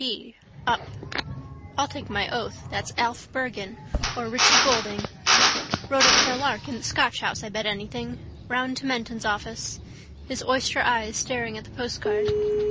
p: up. I'll take my oath that's Alf Bergan or Richie Goulding. Wrote it for a lark in the Scotch house I bet anything. Round to Menton's office. His oyster eyes staring at the postcard.